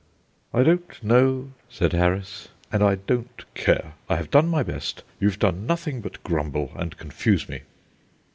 "I don't know," said Harris, "and I don't care. I have done my best; you've done nothing but grumble, and confuse me."